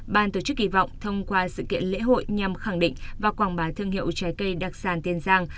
ban tổ chức kỳ vọng thông qua sự kiện lễ hội nhằm khẳng định và quảng bá thương hiệu trái cây đặc sản kiên giang